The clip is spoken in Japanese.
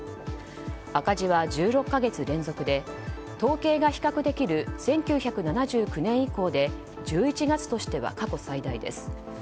赤字は１６か月連続で統計が比較できる１９７９年以降で１１月としては過去最大です。